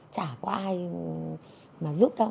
chả có ai giúp đâu